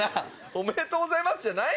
おめでとうございますじゃない。